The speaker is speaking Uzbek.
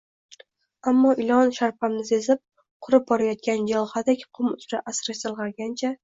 ammo ilon sharpamni sezib, qurib borayotgan jilg'adek, qum uzra asta siralgancha